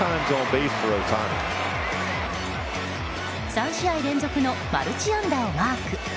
３試合連続のマルチ安打をマーク。